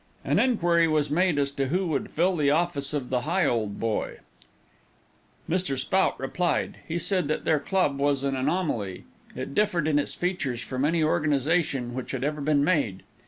An inquiry was made as to who would fill the office of the Higholdboy. Mr. Spout replied. He said that their club was an anomaly. It differed in its features from any organization which had ever been made.